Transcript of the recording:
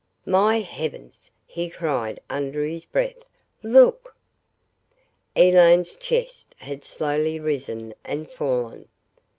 "My heavens!" he cried under his breath. "Look!" Elaine's chest had slowly risen and fallen.